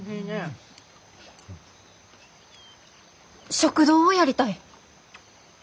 食堂をやりたい。